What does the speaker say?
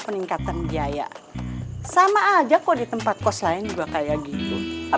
peningkatan biaya sama aja kok di tempat kos lain juga kayak gitu